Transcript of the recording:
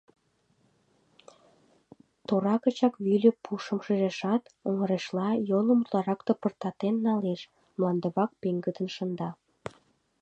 Тора гычак вӱльӧ пушым шижешат, оҥырешла, йолым утларак тыпыртатен налеш, мландывак пеҥгыдын шында.